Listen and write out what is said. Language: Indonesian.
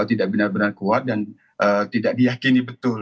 tidak benar benar kuat dan tidak diyakini betul